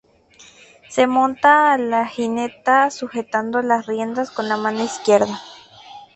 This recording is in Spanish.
Se monta a la gineta, sujetando las riendas con la mano izquierda.